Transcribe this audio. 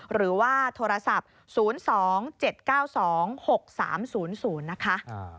หรือว่าโทรศัพท์๐๒๗๙๒๖๓๐๐นะคะ